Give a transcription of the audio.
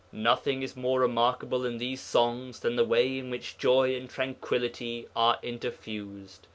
Nothing is more remarkable in these songs than the way in which joy and tranquillity are interfused.